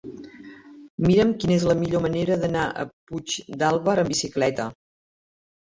Mira'm quina és la millor manera d'anar a Puigdàlber amb bicicleta.